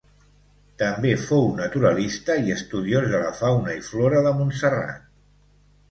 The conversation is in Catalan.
També fou naturalista i estudiós de la fauna i flora de Montserrat.